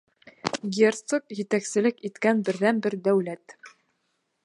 Герцог етәкселек иткән берҙән-бер дәүләт.